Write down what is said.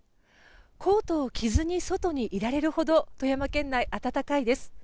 コートを着ずに外にいられるほど富山県内、暖かいです。